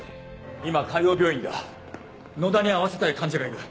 今海王病院だ野田に会わせたい患者がいる。